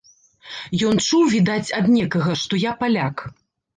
Ён чуў, відаць ад некага, што я паляк.